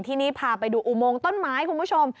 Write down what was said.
ที่นี่พาไปดูอุโมงต้นไม้คุณผู้ชม